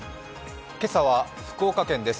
今朝は福岡県です。